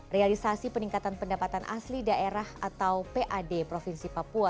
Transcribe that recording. realisasi peningkatan pendapatan asli daerah atau pad provinsi papua